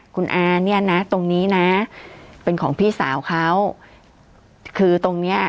คุณอาเนี่ยนะตรงนี้นะเป็นของพี่สาวเขาคือตรงเนี้ย